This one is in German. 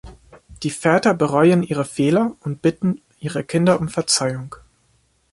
Die Väter bereuen ihre Fehler und bitten ihre Kinder um Verzeihung.